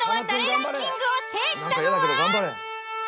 ランキングを制したのは？